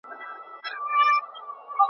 نه به مي قبر چاته معلوم وي ,